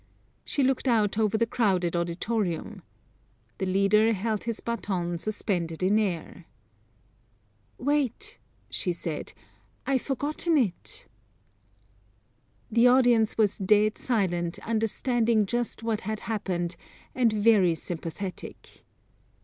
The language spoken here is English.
She looked out over the crowded auditorium. The leader held his baton suspended in air. "Wait," she said. "I've forgotten it." The audience was dead silent, understanding just what had happened, and very sympathetic.